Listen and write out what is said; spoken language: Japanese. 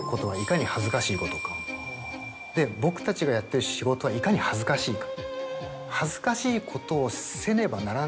僕たちがやってる仕事はいかに恥ずかしいか。